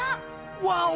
ワオ！